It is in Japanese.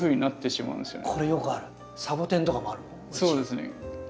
そうですね。